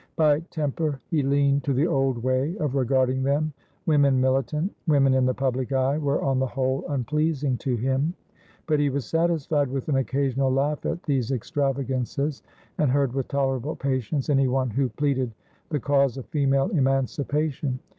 By temper, he leaned to the old way of regarding them; women militant, women in the public eye, were on the whole unpleasing to him. But he was satisfied with an occasional laugh at these extravagances, and heard with tolerable patience anyone who pleaded the cause of female emancipation.